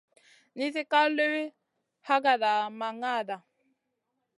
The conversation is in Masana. Nizi ka liw hakada ma ŋada.